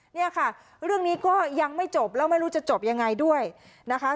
เนี่ยค่ะเรื่องนี้ก็ยังไม่จบแล้วไม่รู้จะจบยังไงด้วยนะคะ